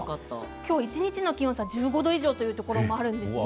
今日は一日の気温差１５度以上というところもあるんですね。